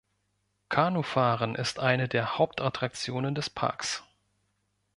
Kanufahren ist eine der Hauptattraktionen des Parks.